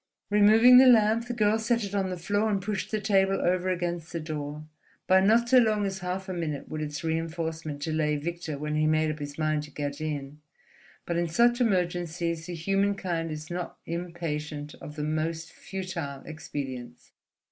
Removing the lamp, the girl set it on the floor, and pushed the table over against the door. By not so long as half a minute would its reinforcement delay Victor when he made up his mind to get in. But in such emergencies the human kind is not impatient of the most futile expedients.